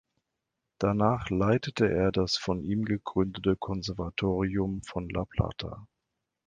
Danach leitete er das von ihm gegründete Konservatorium von La Plata.